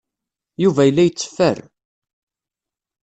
Yuba yella yetteffer.